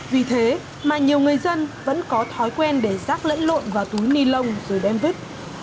vì thế mà nhiều người dân vẫn có thói quen để rác lẫn lộn vào túi ni lông rồi đem vứt